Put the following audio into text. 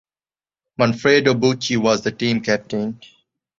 Manfredo Bucci was the team captain.